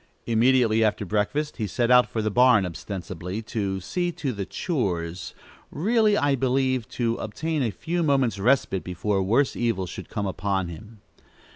Immediately after breakfast, he set out for the barn, ostensibly to "see to the chores;" really, I believe, to obtain a few moments' respite, before worse evil should come upon him.